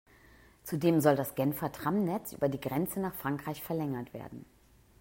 Zudem soll das Genfer Tramnetz über die Grenze nach Frankreich verlängert werden.